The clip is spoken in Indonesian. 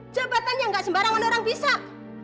jabatan yang gak sembarangan orang pisah